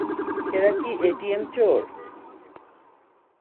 এরা কি এটিএম চোর?